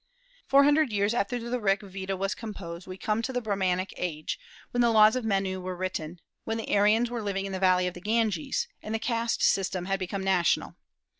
Four hundred years after the Rig Veda was composed we come to the Brahmanic age, when the laws of Menu were written, when the Aryans were living in the valley of the Ganges, and the caste system had become national.